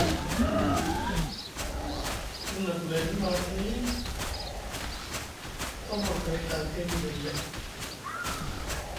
Dif na gulayni maafini, a vurga Ɵaakai midini lay.